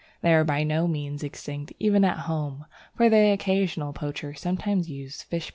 They are by no means extinct even at home, for the occasional poacher sometimes uses fish poisons.